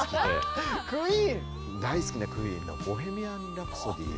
大好きなＱＵＥＥＮの「ボヘミアン・ラプソディ」を。